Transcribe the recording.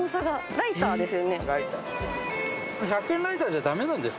ライターです